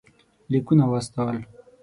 لیکونه واستول.